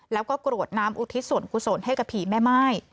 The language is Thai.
แล้วก็กรวดน้ำอุทิศส่วนกุศลให้กับผีแม่ม่าย